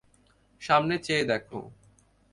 সামনে চেয়ে দেখো।